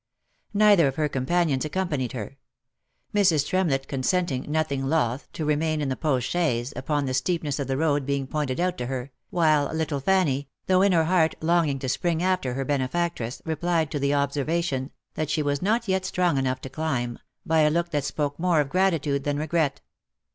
Neither of her companions accompanied her. Mrs. Tremlett consenting, nothing loth, to remain in the post chaise, upon the steepness of the road being pointed out to her, while little Fanny, though in her heart longing to spring after her benefactress, replied to the observation, that she was not yet strong enough to climb, by a look that spoke more of gratitude, than regret.